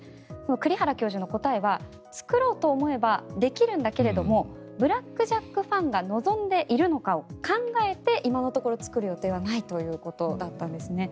栗原教授の答えは作ろうと思えばできるんだけれども「ブラック・ジャック」ファンが望んでいるのかを考えて今のところ作る予定はないということだったんですね。